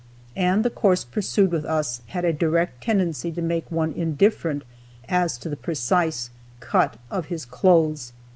And the course pursued with us had a direct tendency to make one indifferent as to the precise cut of his clothes.